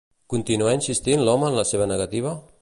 Continuà insistint l'home en la seva negativa?